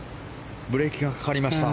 ブレーキがかかりました。